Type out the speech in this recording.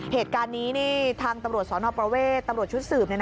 เหตุการณ์นี้ทางตำรวจสนประเวทตำรวจชุดสืบ